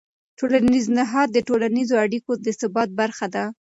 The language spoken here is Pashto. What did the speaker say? ټولنیز نهاد د ټولنیزو اړیکو د ثبات برخه ده.